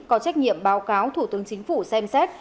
có trách nhiệm báo cáo thủ tướng chính phủ xem xét